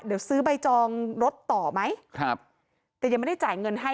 เดี๋ยวซื้อใบจองรถต่อไหมครับแต่ยังไม่ได้จ่ายเงินให้